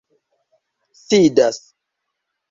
sidas